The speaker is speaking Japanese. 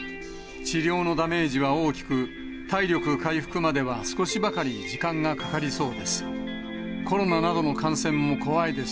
治療のダメージは大きく、体力回復までは少しばかり時間がかかりそうです。